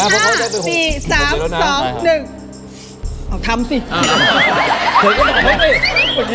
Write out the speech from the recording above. อะธำซิ